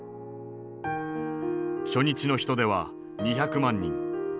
初日の人出は２００万人。